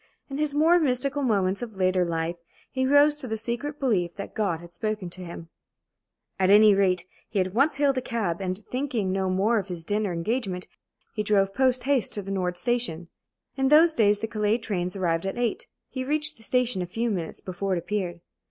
In his more mystical moments of later life he rose to the secret belief that God had spoken to him. At any rate, he at once hailed a cab, and, thinking no more of his dinner engagement, he drove post haste to the Nord Station. In those days the Calais train arrived at eight. He reached the station a few minutes before it appeared.